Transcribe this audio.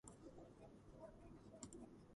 მდებარეობს პოლტავის ოლქის ჩუტოვოს რაიონში.